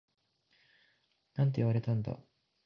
なんて言われたんだ？